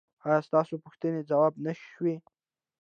ایا ستاسو پوښتنې ځواب نه شوې؟